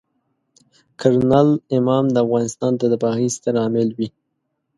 کرنل امام د افغانستان د تباهۍ ستر عامل وي.